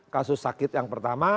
kasus sakit yang pertama